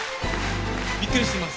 びっくりしてます。